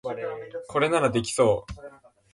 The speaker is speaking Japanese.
これならできそう